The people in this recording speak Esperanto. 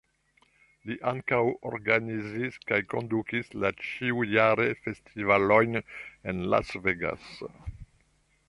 Li ankaŭ organizis kaj kondukis la ĉiujare festivalojn en Las Vegas.